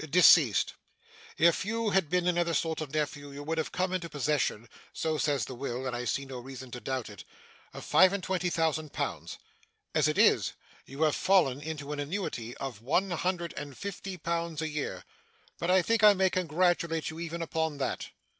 'Deceased. If you had been another sort of nephew, you would have come into possession (so says the will, and I see no reason to doubt it) of five and twenty thousand pounds. As it is, you have fallen into an annuity of one hundred and fifty pounds a year; but I think I may congratulate you even upon that.